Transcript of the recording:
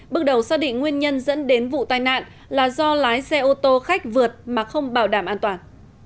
bước đầu xác định nguyên nhân dẫn đến vụ tai nạn là do lái xe ô tô khách vượt mà không bảo đảm an toàn